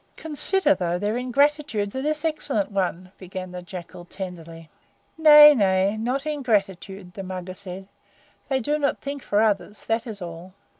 "Consider, though, their ingratitude to this excellent one," began the Jackal tenderly. "Nay, nay, not ingratitude!" the Mugger said. "They do not think for others; that is all.